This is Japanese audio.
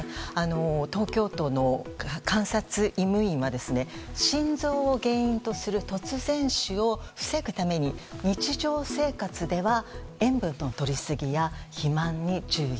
東京都の監察医務院は心臓を原因とする突然死を防ぐために日常生活では塩分の取りすぎや肥満に注意。